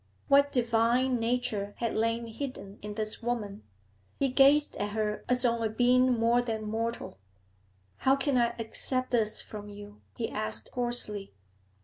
What divine nature had lain hidden in this woman! He gazed at her as on a being more than mortal. 'How can I accept this from you?' he asked hoarsely.